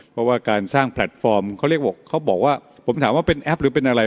เพราะว่าการสร้างแพลตฟอร์มเขาเรียกว่าเขาบอกว่าผมถามว่าเป็นแอปหรือเป็นอะไร